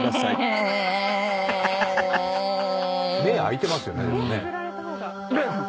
目開いてますよね。